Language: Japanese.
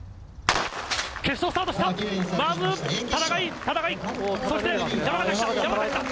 決勝、スタートした。